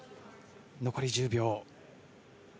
残り１０秒。